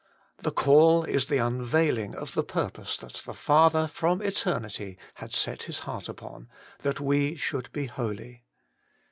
The call is the unveiling of the purpose that the Father from eternity had set His heart upon : that we should be holy.